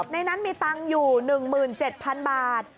ในนั้นมีตังค์อยู่๑๗๐๐๐บาท